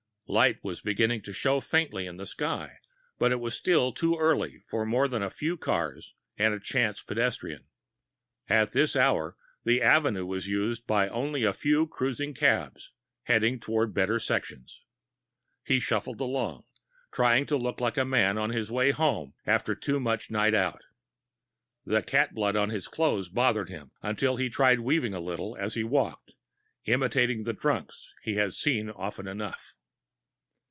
Light was beginning to show faintly in the sky, but it was still too early for more than a few cars and a chance pedestrian. At this hour, the avenue was used by only a few cruising cabs, heading toward better sections. He shuffled along, trying to look like a man on his way home after too much night out. The cat blood on his clothes bothered him, until he tried weaving a little as he walked, imitating the drunks he had seen often enough.